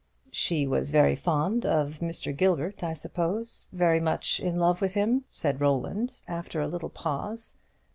"She was very fond of Mr. Gilbert, I suppose, very much in love with him?" said Roland, after a little pause.